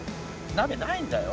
鍋ないんだよ。